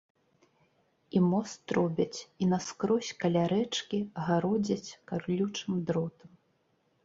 І мост робяць, і наскрозь каля рэчкі гародзяць калючым дротам.